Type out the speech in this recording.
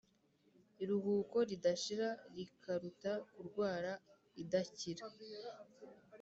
iruhuko ridashira rikaruta kurwara idakira.